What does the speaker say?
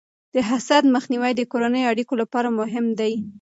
د حسد مخنیوی د کورنیو اړیکو لپاره مهم دی.